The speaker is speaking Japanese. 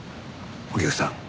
お客さん